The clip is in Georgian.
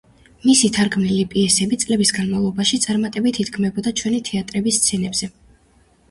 მისი თარგმნილი პიესები წლების განმავლობაში წარმატებით იდგმებოდა ჩვენი თეატრების სცენებზე.